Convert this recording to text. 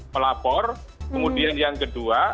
melapor kemudian yang kedua